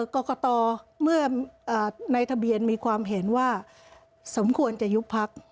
กรกตเมื่อในทะเบียนมีความเห็นว่าสมควรจะยุบพัก